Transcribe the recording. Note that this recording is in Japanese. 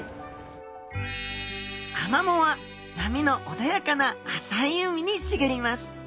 アマモは波のおだやかな浅い海にしげります。